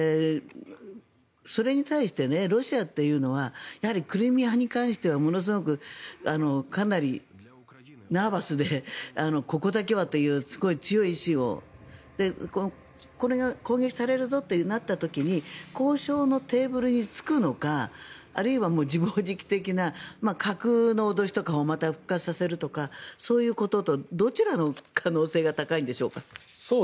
それに対してロシアっていうのはクリミアに関してはものすごく、かなりナーバスでここだけはというすごい強い意思をこれが攻撃されるぞとなった時に交渉のテーブルに着くのかあるいは自暴自棄的な架空の脅しとかをまた復活させるとかそういうこととどちらの可能性が高いんでしょうか。